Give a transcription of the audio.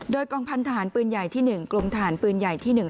โดยกองพันธาหร์ปืนใหญ่ที่หนึ่งกลวงทหารปืนใหญ่ที่หนึ่ง